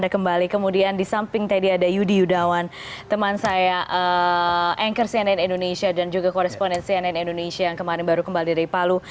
kembali kemudian di samping tadi ada yudi yudawan teman saya anchor cnn indonesia dan juga koresponen cnn indonesia yang kemarin baru kembali dari palu